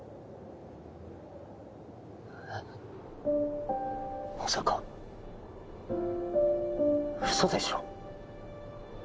えっまさかウソでしょ？